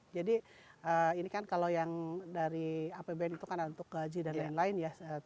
jadi ini kan kalau yang dari apbd itu kan untuk gaji dan lain lain ya